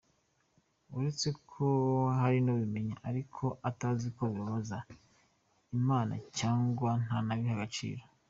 Uretse ko hari n’ubimenya ariko atazi ko bibabaza Imanacyangwa ntanabihe agaciro.